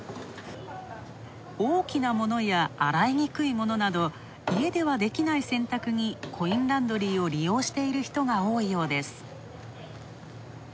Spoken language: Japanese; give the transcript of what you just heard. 大きなものや洗いにくい、家ではできない洗濯にコインランドリーを利用している人が多いようです。